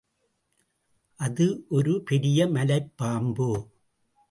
அது ஒரு பெரிய மலைப்பாம்பு.